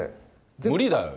無理だよ！